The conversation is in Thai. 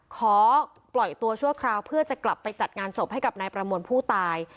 ขอปล่อยตัวชั่วคราวเพื่อจะกลับไปจัดงานศพให้กับนายประมวลผู้ตาย